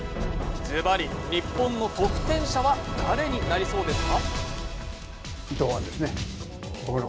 ズバリ、日本の得点者は誰になりそうですか？